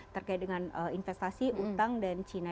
terkait dengan investasi utang dan cina